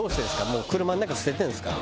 もう車の中捨ててるんですか？